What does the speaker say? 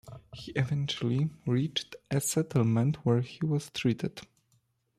He eventually reached a settlement where he was treated.